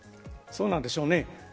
そうなんでしょうね。